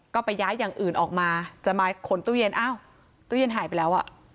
ก็ไปย้ายอย่างอื่นออกมาจะมาขนตู้เย็นอ้าวตู้เย็นหายไปแล้วอ่ะ